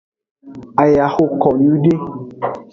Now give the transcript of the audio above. Aya xoko nyuiede.